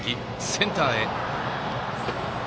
センターへ。